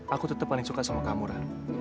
aku tetep paling suka sama kamu ra